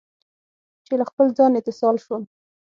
چې له خپل ځان، اتصال شوم